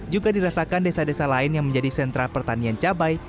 juga dirasakan desa desa lain yang menjadi sentra pertanian cabai